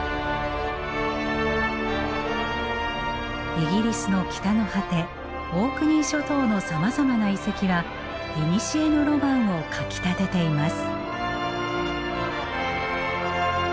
イギリスの北の果てオークニー諸島のさまざまな遺跡はいにしえのロマンをかきたてています。